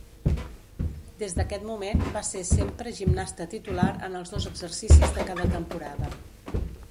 Des d'aquest moment va ser sempre gimnasta titular en els dos exercicis de cada temporada.